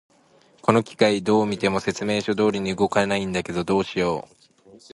この機械、どう見ても説明書通りに動かないんだけど、どうしよう。